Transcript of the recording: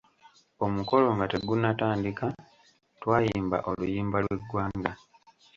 Omukolo nga tegunatandika twayimba oluyimba lw'eggwanga.